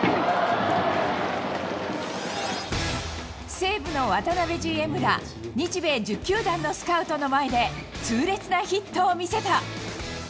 西武の渡辺ＧＭら、日米１０球団のスカウトの前で痛烈なヒットを見せた。